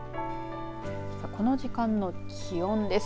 この時間の気温です。